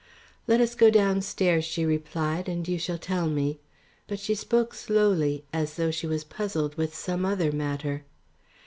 "Let us go downstairs," she replied, "and you shall tell me," but she spoke slowly as though she was puzzled with some other matter.